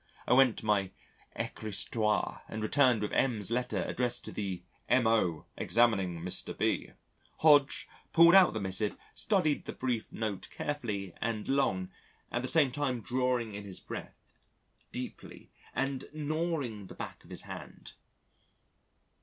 I went to my escritoire and returned with M 's letter addressed to "The M.O. examining Mr. B." Hodge pulled out the missive, studied the brief note carefully and long, at the same time drawing in his breath deeply, and gnawing the back of his hand.